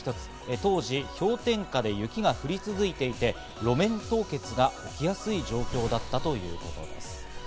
当時、氷点下で雪が降り続いていて、路面凍結が起きやすい状況だったということです。